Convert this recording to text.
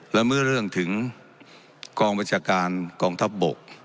และเมื่อเรื่องถึงกองบัญชาการกองทัพบก